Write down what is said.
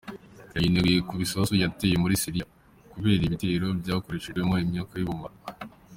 Yayineguye ku bisasu yateye muri Syria, kubera ibitero vyakoreshejwemwo imyuka y'ubumara.